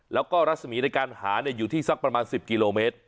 แล้วก็รัศมีในการหาอยู่ที่สักประมาณ๑๐กิโลเมตร